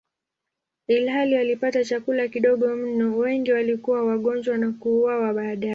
Ilhali walipata chakula kidogo mno, wengi walikuwa wagonjwa na kuuawa baadaye.